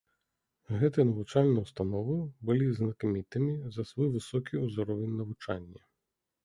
Гэтыя навучальныя ўстановы былі знакамітымі за свой высокі ўзровень навучання.